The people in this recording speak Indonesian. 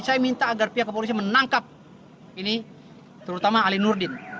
saya minta agar pihak kepolisian menangkap ini terutama ali nurdin